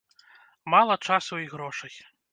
Мала часу і грошай.